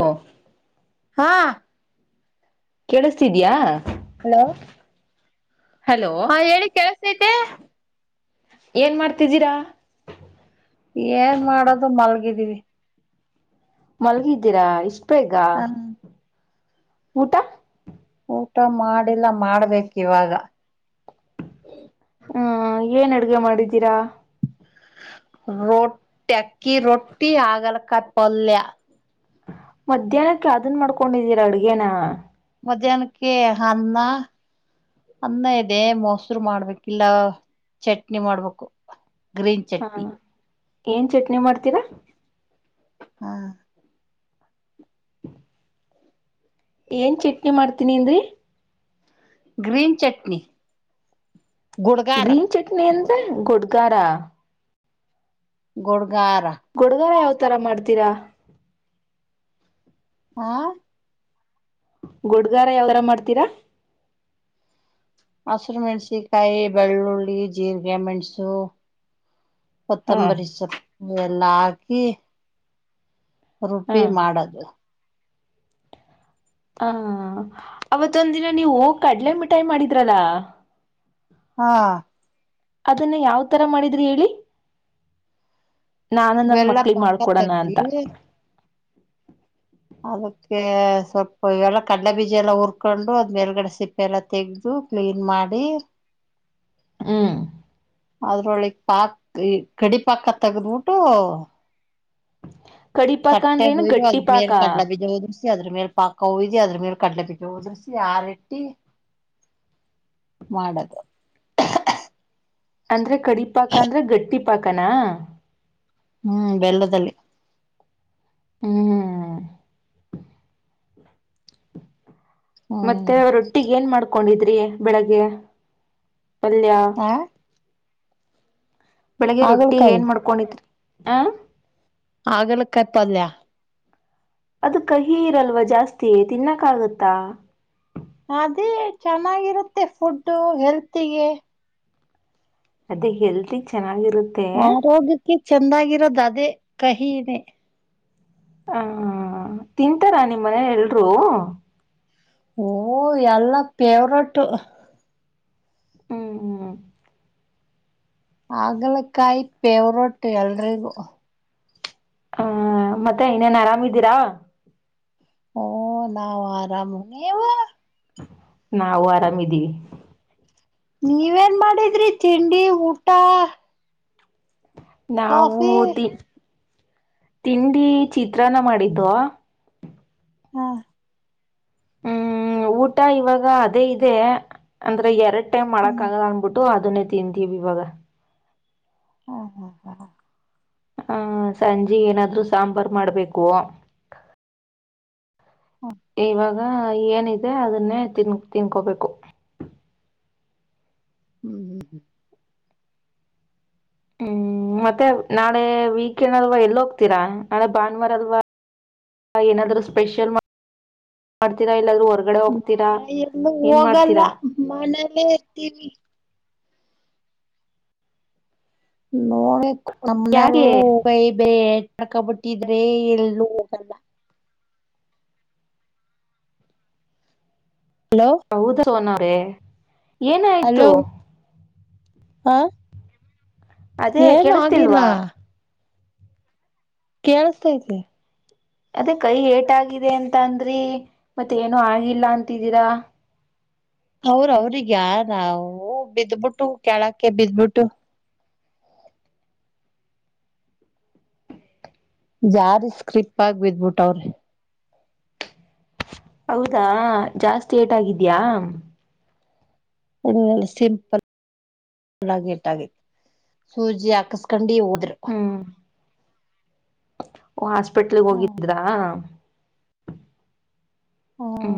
ಹುಂ ಹಾಂ ಕೆಲಸ್ತಿದಿಯ ಹಲೋ ಹಾಂ ಹೇಳಿ ಕೇಳ್ಸ್ತಾಯಿತೇ ಏನ್ ಮಾಡ್ತಿದ್ದೀರಾ. ಏನ್ ಮಾಡೋದು ಮಲ್ಗಿದೀವಿ. ಮಲ್ಗಿದ್ದೀರಾ ಇಷ್ಟ ಬೇಗ ಹಾ ಊಟ ಊಟ ಮಾಡಿಲ್ಲ ಮಾಡ್ಬೇಕು ಇವಾಗ ಹ್ಮ ಏನ್ ಅಡ್ಗೆ ಮಾಡಿದ್ದೀರಾ ರೊಟ್ಟಿ ಅಕ್ಕಿ ರೊಟ್ಟಿ ಆಗಲ ಕಾಯಿ ಪಲ್ಯ ಮಧ್ಯಾಹ್ನಕ್ ಯಾದನ್ ಮಾಡ್ಕೊಂಡಿದೀರಾ ಅಡ್ಗೇನ. ಮಧ್ಯಾಹನಕ್ಕೆ ಅನ್ನ ಅನ್ನ ಇದೆ ಮೊಸರು ಮಾಡ್ಬೇಕಿಲ್ಲ ಚಟ್ನಿ ಮಾಡ್ಬೇಕು. ಗ್ರೀನ್ ಹಾಂ ಚಟ್ನಿ ಏನ್ ಚಟ್ನಿ ಮಾಡ್ತೀರಾ ಹಾಂ ಏನು ಚಟ್ನಿ ಮಾಡ್ತೀನಿ ಅಂದ್ರಿ ಗ್ರೀನ್ ಚಟ್ನಿ ಗುಡ್ಗಾರ ಗ್ರೀನ್ ಚಟ್ನಿ ಅಂದ್ರೆ ಗುಡ್ಗಾರ ಗುಡ್ಗಾರ ಗುಡ್ಡಗಾರ ಯಾವ್ ತರ ಮಾಡ್ತೀರಾ ಹಾಂ ಗುಡ್ಗಾರ ಯಾವತರ ಮಾಡ್ತೀರಾ? ಹಸರು ಮೆಣಸಿಕಾಯಿ ಬೆಳ್ಳುಳ್ಳಿ ಜೀರಿಗೆ ಮೆಣಸು ಹಾ ಕೊತ್ತಂಬರಿ ಸೊಪ್ಪು ಎಲ್ಲ ಹಾಕಿ. ಹಾ ರುಪ್ಪಿ ಮಾಡದು ಅಂ ಹಾಂ ಅವತ್ತೊಂದ ದಿನ ನೀವು ಕಡಲೆ ಮಿಠಾಯಿ ಮಾಡಿದ್ರಲ್ಲಾ ಹಾಂ ಅದನ್ನ ಯಾವ್ ತರ ಮಾಡಿದ್ರಿ ಹೇಳಿ ನಾನು ನನ್ ಬೆಲ್ಲ ಮಕ್ಳಗ್ ಪಾಕ ಮಾಡ್ಕೊಡಣ ಅಂತ ತೆಗ್ದಿ ಅದಕ್ಕೆ ಸ್ವಲ್ಪ ಎಲ್ಲ ಕಡ್ಲೆಬೀಜ ಎಲ್ಲ ಹುರ್ಕೊಂಡು ಅದ್ ಮೇಲ್ಗಡೆ ಸಿಪ್ಪೆ ಎಲ್ಲ ತೆಗೆದು ಕ್ಲೀನ್ ಮಾಡಿ ಹ್ಮ ಅದ್ರೊಳಗ್ ಪಾಕ್ ಈ ಕಡಿ ಪಾಕ ತಗದ್ಬಿಟ್ಟು ಕಡಿಪಾಕ ಕಟ್ಟೆ ಅಂದ್ರೆ ಏನು ಹೋಯ್ರು ಗಟ್ಟಿ ಪಾಕ ಅದ್ಮೇಲೆ ಕಡ್ಲೆ ಬೀಜ ಉದುರ್ಸು ಅದ್ರ ಮೇಲೆ ಪಾಕ ಉಯ್ದಿ ಅದ್ರ ಮೇಲೆ ಕಡ್ಲೆ ಪಿಟ್ಟಿ ಉದ್ರಸಿ ಆರೆಟ್ಟಿ ಮಾಡದು ಅಂದ್ರೆ ಕಡಿಪಾಕ ಅಂದ್ರೆ ಗಟ್ಟಿ ಪಾಕನಾ ಹ್ಮ್ ಬೆಲ್ಲದಲ್ಲಿ ಹ್ಮ್ ಹ್ಮ್ ಮತ್ತೆ ರೊಟ್ಟಿಗ ಏನ್ ಮಾಡ್ಕೊಂಡಿದ್ರಿ ಬೆಳಿಗ್ಗೆ ಪಲ್ಯ ಆ ಬೆಳಿಗ್ಗೆ ರೊಟ್ಟಿ ಹಾಗಲಕಾಯಿ ಏನ್ ಮಾಡ್ಕೊಂಡಿದರಿ ಆ ಹಾಗಲಕಾಯಿ ಪಲ್ಯ ಅದು ಕಹಿ ಇರಲ್ವ ಜಾಸ್ತಿ ತಿನ್ನಕ್ಕ ಆಗತ್ತಾ ಅದೇ ಚೆನ್ನಾಗಿರುತ್ತೆ ಫುಡ್ಡು ಹೆಲ್ತಿಗೆ ಅದೇ ಹೆಲ್ದ ಚೆನ್ನಾಗಿರುತ್ತೆ ಆರೋಗ್ಯಕ್ಕೆ ಚೆಂದಾಗಿರೋದು ಅದೇ ಕಹಿನೇ ಹ ತಿಂತಾರಾ ನಿಮ್ಮ್ ಮನೇಲಿ ಎಲ್ರು ಓ ಎಲ್ಲ ಫೇವ್ರಟ್ ಹ್ಮ್ ಹ್ಮ್ ಆಗಲ ಕಾಯಿ ಪೇವ್ರೊಟ್ಟು ಎಲ್ರಿಗೂ ಹ ಮತ್ತೆ ಇನ್ನೇನ್ ಆರಾಮಿದ್ದೀರಾ ಓ ನಾವು ಆರಾಮವ ನೀವು ನಾವು ಆರಾಮಿದೀವಿ ನೀವೇನ್ ಮಾಡಿದ್ರಿ ತಿಂಡಿ ಊಟ ನಾವು ಕಾಫಿ ತಿ ತಿಂಡಿ ಚಿತ್ರಾನ ಮಾಡಿದ್ದು ಹಾ ಹ್ಮ್ ಊಟ ಇವಾಗ ಅದೇ ಇದೆ ಅಂದ್ರೆ ಎರಡ್ ಟೈಮ್ ಮಾಡಕ್ ಹ್ಮ್ ಆಗ ಅನ್ಬಿಟ್ಟು ೋ ಅದನ್ನೇ ತಿಂತೀವಿವಾಗ ಹಾ ಹಾ ಹಾ ಹಾ ಹ ಸಂಜೆ ಏನಾದ್ರು ಸಾಂಬಾರು ಮಾಡ್ಬೇಕು ಹಾ ಇವಾಗ ಏನಿದೆ ಅದನ್ನೇ ತಿನ್ ತಿನ್ಕೋಬೇಕು ಹ್ಮ್ ಹ್ಮ್ ಹ್ಮ್ ಹ್ಮ್ ಮತ್ತೆ ನಾಳೆ ವೀಕೆಂಡ್ ಅಲ್ವಾ ಎಲ್ಲೋ ಹೋಗ್ತೀರಾ ನಾಳೆ ಭಾನುವಾರ ಅಲ್ವಾ ಏನಾದ್ರೂ ಸ್ಪೆಷಲ್ ಮಾಡ್ತೀರಾ ಇಲ್ಲ್ರೂ ನಾಳೆ ಎಲ್ಲೂ ಹೋಗಲ್ಲ ಮನೇಲ್ಲೇ ಇರ್ತೀವಿ ಯಾಕೆ [unintelligible] [unintelligible] [unintelligible] ಹಲೋ ಹೌದನ್ರೆ ಹಲೋ ಹಾ ಅದೇ ಏನು ಆಗಿಲ್ಲ ಕೇಳಿಸ್ತಿಲ್ವಾ ಕೇಳಸ್ತೈತೆ ಅದೇ ಕೈ ಏಟಾಗಿದೆ ಅಂತ ಅಂದ್ರಿ ಮತ್ತ ಏನು ಆಗಿಲ್ಲ ಅಂತಿದ್ದೀರಾ ಅವ್ರ ಅವ್ರಗ ಯ ನಾವು ಬಿದ್ಬಿಟ್ಟು ಕೇಳಕ್ಕೆ ಬಿದ್ಬಿಟ್ಟು ಜಾರಿ ಸ್ಕ್ರಿಪ್ ಆಗ ಬಿದ್ಬಿಟ್ಟ ಅವ್ರಿ ಹೌದಾ ಜಾಸ್ತಿ ಏಟಾಗಿದ್ಯಾ ಒ ಸಿಂಪಲ್ ಹುಳಾಗಿ ಇಟ್ಟಾಗಿತ್ತು ಸೂಜಿ ಹಾಕಸ್ಕಂಡಿ ಹೋದ್ರು ಹಾ ಹಾಸ್ಪಿಟ್ಲ್ಗೆ ಹ ಹೋಗಿದ್ರಾ ಹ ಹ್ಮ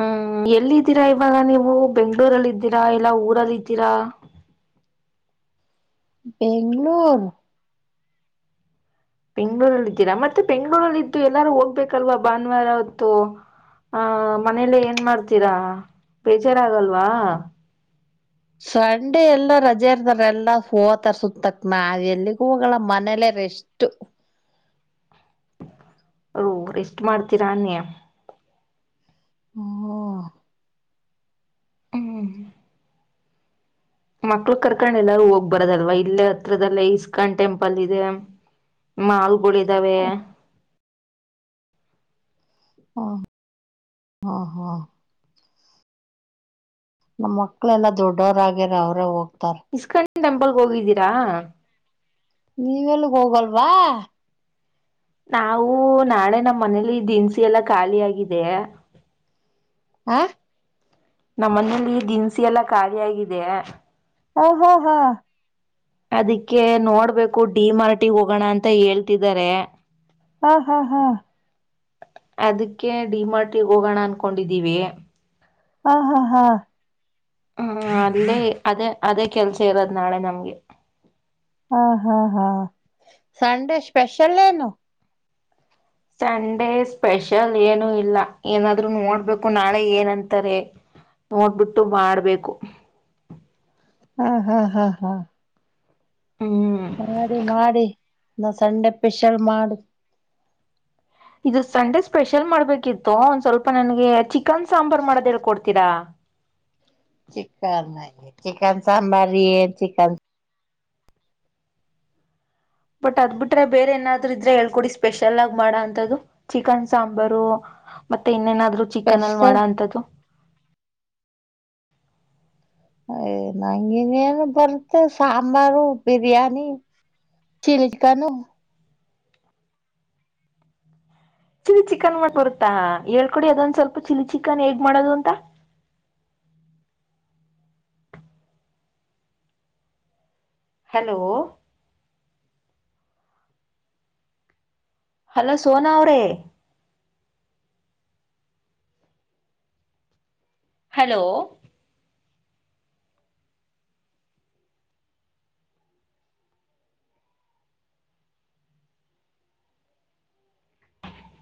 ಹ್ಮ್ ಎಲ್ಲಿದ್ದೀರಾ ಇವಾಗ ನೀವು ಬೆಂಗ್ಗಳೂರಲ್ಲಿ ಇದ್ದೀರಾ ಇಲ್ಲ ಊರಲ್ಲಿ ಇದ್ದೀರಾ ಬೆಂಗಳೂರ್ ಬೆಂ್ಗಳೂರಲ್ಲ ಇದಿದ್ದೀರಾ ಮತ್ತೆ ಬೆಂಗಳೂರಲ್ಲಿ ಇದಿದ್ದು ಎಲ್ಲಾರು ಹೋಗ್ಬೇಕಲ್ವಾ ಭಾನುವಾರ ಹೊತ್ತು ಹ ಮನೇಲ್ಲ ಏನ್ ಮಾಡ್ತೀರಾ ಬೇಜಾರ ಆಾಗಲ್ವಾ ಸಂಡೆ ಎಲ್ಲಾ ರಜೆ ಇರ್ತಾರ ಎಲ್ಲಾ ಹೋತರ ಸುತ್ಯಕ್ ನಾವ ಎಲ್ಲಿಗೂ ಹಲ್ಲ ಮನೇಲ್ಲೇ ರೆಶ [unintelligible] ಅವ ರೆಸ್ಟ್ ಮಾಡ್ತೀರಾ ಅನ್ನಿ ಹ ಹ್ಮ ಮಕ್ಳು ಕರ್ಕೊಂಡ ಎಲ್ಲಾರು ಹೋಗ್ ಬರದಲ್ವಾ ಇಲ್ಲೇ ಹತ್ರದಲ್ಲೇ ಇಸ್ಕಾನ್ ಟೆಂಪಲ್ ಇದೆ ಮಾಲ್ಗಳು ಇದ್ದಾವೆ ಹಾ ಹಾ ಹಾ ನಮ್ ಮಕ್ಳ ಎಲ್ಲಾ ದೊಡ್ಡವರ ಆಗ್ಯರ ಅವ್ರ ಹೋಗ್ತಾರ ಇಸ್ಕಂಡಿ ಟೆಂಪಲ್ಗೆ ಹೋಗಿದ್ದೀರಾ ನೀವೆಲ್ಲಿಗ ಹೋಗಲ್ವಾ ನಾವು ನಾಳೆ ನಮ್ಮ್ ಮನೇಲಿ ದಿನಸಿ ಎಲ್ಲಾ ಖಾಲಿ ಆಗಿದೆ ಆ ನಮ್ಮ ಮನೆಯಲ್ಲಿ ದಿನಸಿ ಎಲ್ಲಾ ಖಾಲಿ ಆಗಿದೆ ಹಓ ಹ ಹಾ ಅದಕ್ಕೆ ನೋಡ್ಬೇಕು ಡಿ ಮಾರ್ಟಿ ಹೋಗೋಣ ಅಂತ ಹೇಳ್ತಿದಿದ್ದಾರೆ ಹಾ ಹಾ ಹಾ ಅದಕ್ಕೆ ಡಿಮಾರ್ಟಿ ಹೋಗೋಣ ಅನ್ಕೊಂಡಿದ್ದೀವಿ ಹಾ ಹಾ ಹಾ ಹ್ಮ ಅಲ್ಲೇ ಅದೇ ಅದೇ ಕೆಲ್ಸ ಇರೋದ್ ನಾಳೆ ನಮ್ಗೆ ಹಾ ಹಾ ಹಾ ಸಂಡೇ ಸ್ಪೆಷಲ್ ಏನು ಸಂಡೇ ಸ್ಪೆಷಲ್ ಏನು ಇಲ್ಲ ಏನಾದ್ರು ನೋಡ್ಬೇಕು ನಾಳೆ ಏನಂತಾರೆ ನೋಡ್ಬಿಟ್ಟು ಮಾಡ್ಬೇಕು ಹಾ ಹಾ ಹಾ ಹಾ ಹ್ಮ ಮಾಡಿ ಮಾಡಿ ನಾ ಸಂಡೆ ಸ್ಪೆಷಲ್ ಮಾಡ ಇದು ಸಂಡೆ ಸ್ಪೆಷಲ್ ಮಾಡ್ಬೇಕಿತ್ತು ಒಂದ್ ಸ್ವಲ್ಪ ನನ್ಗೆ ಚಿಕನ್ ಸಾಂಬಾರ್ ಮಾಡೋದ ಕೊಡ್ತೀರಾ ಚಿಕನ್ ಚಿಕನ್ ಸಾಂಬಾರಿ ಚಿಕನ್ ಬಟ್ ಅದ್ ಬಿಟ್ರೆ ಬೇರೆ ಏನಾದ್ರು ಇದ್ರೆ ಹೇಳ್ಕೊಡಿ ಸ್ಪೆಷಲ್ ಆಗಿ ಮಾಡ ಅಂಂತದ್ದು ಚಿಕನ್ ಸಾಂಬಾರು ಮತ್ತೆ ಇನ್ನೇನಾದ್ರು ಚಿಕನ್ ಅಲ್ ಮಾಡ ಸ್ಪೆಷಲ್ ಅಂತದ್ದು ಯ್ ನಂಗನೇನು ಬರುತ್ತೆ sambar biryani chilli chicken chilli chicken ಮಾಡ ಬರುತ್ತಾ ಹೇಳ್ಕೊಡಿ ಅದೊಂದ್ ಸ್ವಲ್ಪ ಚಿಲಿ ಚಿಕನ್ ಹೇಗ್ ಮಾಡೋದು ಅಂತ ಹಲೋ ಹಲೋ ಸೋನಾ ಅವ್ರೇ ಹಲೋ